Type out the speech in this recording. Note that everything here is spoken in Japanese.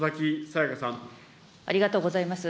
ありがとうございます。